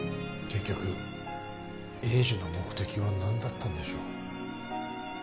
結局栄治の目的は何だったんでしょう？